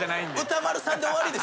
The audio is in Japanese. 歌丸さんで終わり？